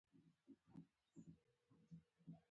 ګرانه کابل کې به اول اغه ماشين وګورې.